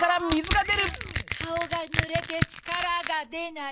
カオがぬれてちからがでない。